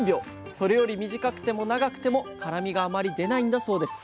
それより短くても長くても辛みがあまり出ないんだそうです。